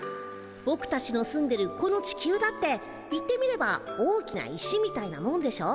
ぼくたちの住んでるこの地球だっていってみれば大きな石みたいなもんでしょ？